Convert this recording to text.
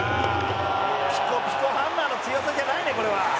「ピコピコハンマーの強さじゃないねこれは」